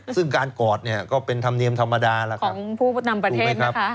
ซึ่งการกอดเนี่ยก็เป็นธรรมเนียมธรรมดาแล้วครับถูกไหมครับของผู้นำประเทศนะคะ